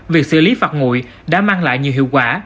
việc xử lý phạt ngụy đã mang lại nhiều hiệu quả